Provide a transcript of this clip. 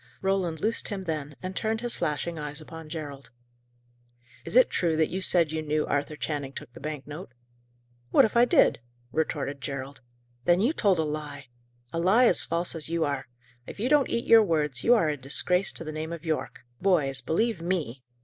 Roland loosed him then, and turned his flashing eyes upon Gerald. "Is it true that you said you knew Arthur Channing took the bank note?" "What if I did?" retorted Gerald. "Then you told a lie! A lie as false as you are. If you don't eat your words, you are a disgrace to the name of Yorke. Boys, believe _me!